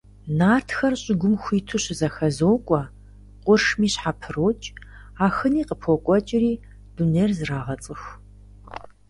Нартхэр щӀыгум хуиту щызэхэзокӀуэ, къуршми щхьэпрокӀ, Ахыни къыпокӀуэкӀри дунейр зрагъэцӀыху.